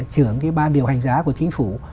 trưởng ban điều hành giá của chính phủ